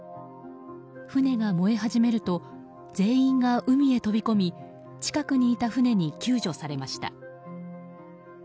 船が燃え始めると全員が海へ飛び込み近くにいた船に救助されました。